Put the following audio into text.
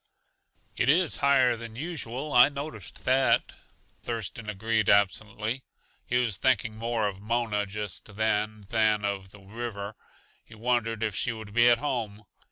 "It is higher than usual; I noticed that," Thurston agreed absently. He was thinking more of Mona just then than of the river. He wondered if she would be at home.